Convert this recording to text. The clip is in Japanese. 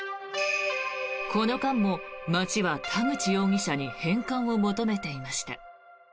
この間も、町は田口容疑者に返還を求めていました。